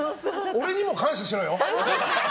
俺にも感謝しろよ！